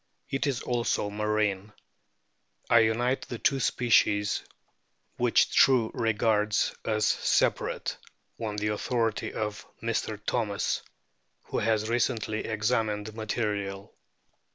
It is also marine. I unite the two species which True regards as separate f on the authority of Mr. Thomas,! wno nas recently examined material.